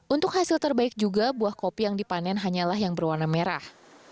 untuk hasil terbaik juga buah kopi yang dipanen hanyalah yang berwarna merah